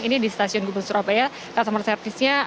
ini di stasiun gubeng surabaya customer service nya